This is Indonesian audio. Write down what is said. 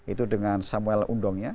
itu dengan samuel undongnya